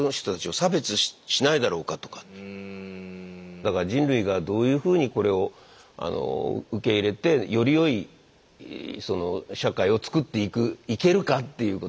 だから人類がどういうふうにこれを受け入れてよりよい社会をつくっていくいけるかということ。